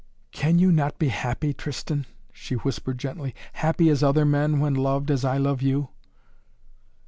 "Can you not be happy, Tristan?" she whispered gently. "Happy as other men when loved as I love you!"